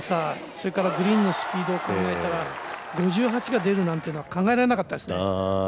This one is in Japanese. それからグリーンのスピードを考えたら５８が出るなんていうのは、考えられなかったですね。